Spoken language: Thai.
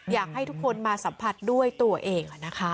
อยากให้ทุกคนมาสัมผัสด้วยตัวเอง